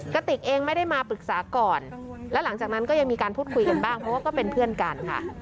กระติกเองไม่ได้มาปรึกษาก่อนแล้วหลังจากนั้นก็ยังมีการพูดคุยกันบ้างเพราะว่าก็เป็นเพื่อนกันค่ะ